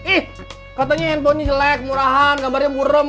ih katanya handphonenya jelek murahan gambarnya buram